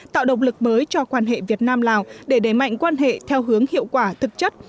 tạo động lực mới cho quan hệ việt nam lào để đẩy mạnh quan hệ theo hướng hiệu quả thực chất